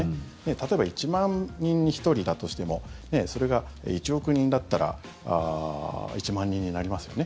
例えば、１万人に１人だとしてもそれが１億人だったら１万人になりますよね。